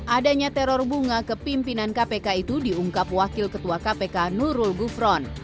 adanya teror bunga ke pimpinan kpk itu diungkap wakil ketua kpk nurul gufron